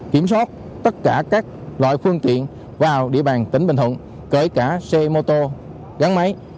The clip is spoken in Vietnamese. kiểm soát tất cả các loại phương tiện vào địa bàn tỉnh bình thuận kể cả xe mô tô gắn máy